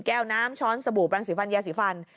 แก้วน้ำช้อนสบู่บังษีฟันแยศีฟัน